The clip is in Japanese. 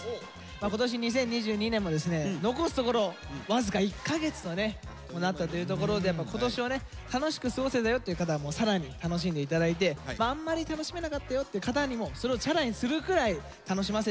今年２０２２年もですね残すところ僅か１か月となったというところで今年をね楽しく過ごせたよっていう方は更に楽しんで頂いてあんまり楽しめなかったよって方にもそれをチャラにするくらい楽しませて。